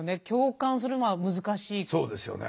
そうですよね。